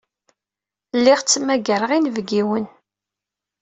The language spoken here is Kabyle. Lliɣ ttmagareɣ inebgiwen.